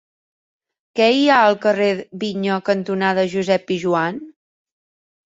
Què hi ha al carrer Vinya cantonada Josep Pijoan?